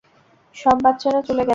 সব বাচ্চারা চলে গেছে।